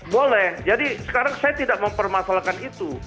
boleh jadi sekarang saya tidak mempermasalahkan itu